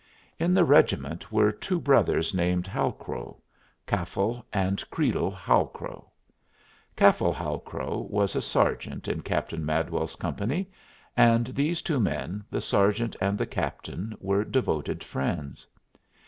In the regiment were two brothers named Halcrow Caffal and Creede Halcrow. Caffal Halcrow was a sergeant in Captain Madwell's company, and these two men, the sergeant and the captain, were devoted friends.